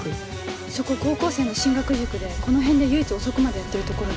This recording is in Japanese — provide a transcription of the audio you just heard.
そこ高校生の進学塾でこの辺で唯一遅くまでやってる所で。